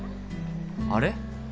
あれ？